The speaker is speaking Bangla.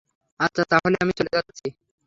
আচ্ছা, তাহলে আমি চলে যাচ্ছি।